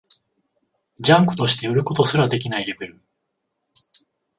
ジャンクとして売ることすらできないレベル